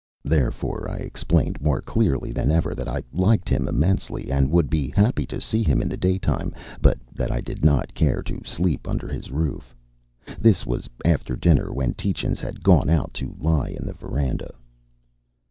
Therefore I explained more clearly than ever that I liked him immensely, and would be happy to see him in the daytime, but that I didn't care to sleep under his roof. This was after dinner, when Tietjens had gone out to lie in the veranda.